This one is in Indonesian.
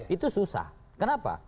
itu susah kenapa